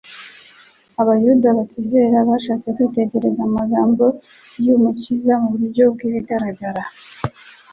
Abayuda batizera bashatse kwitegereza amagambo y'Umukiza mu buryobw'ibigaragara.